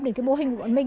đến mô hình của bọn mình